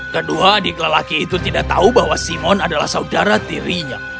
kedua adik lelaki itu tidak tahu bahwa simon adalah saudara tirinya